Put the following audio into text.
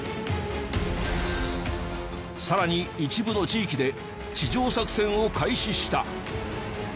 更に、一部の地域で地上作戦を開始した。